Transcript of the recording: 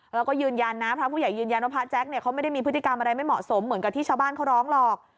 แล้วก็ยืนยันนะพระผู้ใหญ่ยืนยันว่าพระแจ๊คเนี่ยเขาไม่ได้มีพฤติกรรมอะไรไม่เหมาะสมเหมือนกับที่ชาวบ้านเขาร้องหรอก